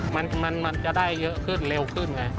มันมันจะได้เยอะขึ้นเร็วขึ้นไง